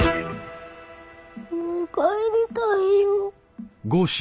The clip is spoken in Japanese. もう帰りたいよ。